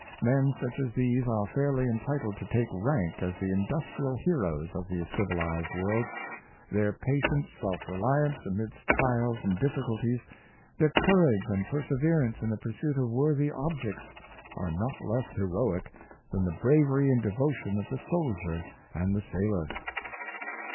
Men such as these are fairly entitled to take rank as the Industrial Heroes of the civilized world. Their pa tient self reliance amidst trials and difficulties, their cour age and perseverance in the pursuit of worthy objects, are not less heroic than the bravery and devotion of the soldier and the sailor.